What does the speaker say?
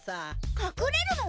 隠れるの？